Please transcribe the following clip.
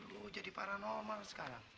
dulu jadi paranormal sekarang